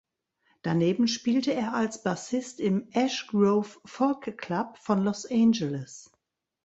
Daneben spielte er als Bassist im "Ash Grove Folk Club" von Los Angeles.